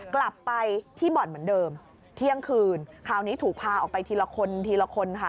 กลับไปที่บ่อนเหมือนเดิมเที่ยงคืนคราวนี้ถูกพาออกไปทีละคนทีละคนค่ะ